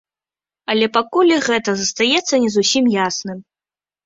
Але пакуль і гэта застаецца не зусім ясным.